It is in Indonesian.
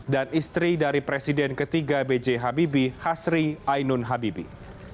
dan istri dari presiden ketiga bj habibie hasri ainun habibie